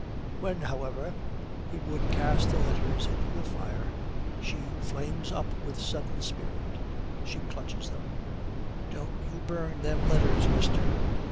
When, however, he would cast the letters into the fire, she flames up with sudden spirit. She clutches them. 'Don't you burn them letters, mister.'